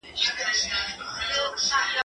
زه به کتاب ليکلی وي؟